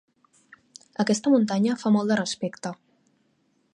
Aquesta muntanya fa molt de respecte.